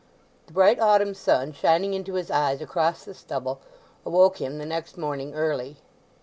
The bright autumn sun shining into his eyes across the stubble awoke him the next morning early.